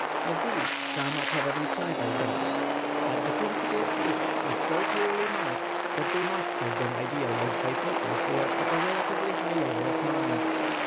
Of these some are probably tribal gods; but the principle of each is so clearly marked that they must have been idealised by people who were at a relatively high level of mind.